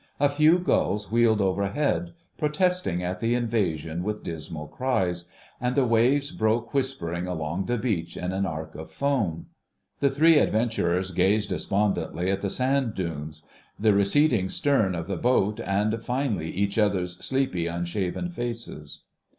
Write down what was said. A few gulls wheeled overhead, protesting at the invasion with dismal cries, and the waves broke whispering along the beach in an arc of foam. The three adventurers gazed despondently at the sand dunes, the receding stern of the boat, and finally each other's sleepy, unshaven faces.